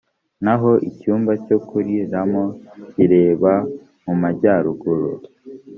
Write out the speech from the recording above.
naho icyumba cyo kuriramo kireba mu majyaruguru